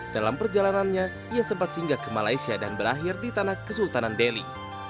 dalam perjalanannya ia sempat singgah ke malaysia dan berakhir di tanah kesultanan delhi